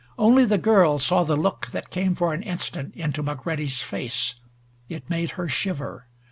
Only the girl saw the look that came for an instant into McCready's face. It made her shiver.